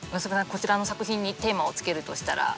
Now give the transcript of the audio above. こちらの作品にテーマをつけるとしたら？